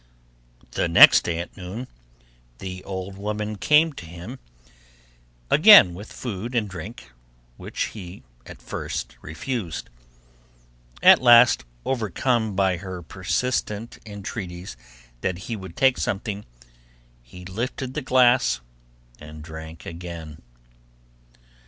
The next day at noon, the old woman came to him again with food and drink which he at first refused. At last, overcome by her persistent entreaties that he would take something, he lifted the glass and drank again.